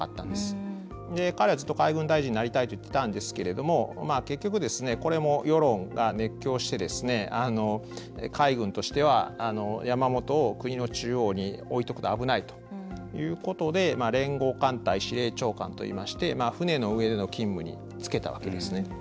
彼はずっと海軍大臣になりたいと言っていたんですけれども結局これも世論が熱狂して海軍としては山本を国の中央に置いとくと危ないということで連合艦隊司令長官といいまして船の上での勤務に就けたわけですね。